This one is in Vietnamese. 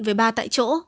về ba tại chỗ